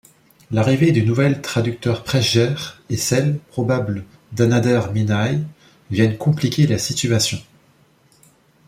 L'arrivée d'une nouvelle traducteur Presger et celle, probable, d'Anaander Mianaaï, viennent compliquer la situation.